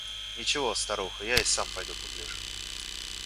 – «Ничего, старуха, я и сам пойду погляжу».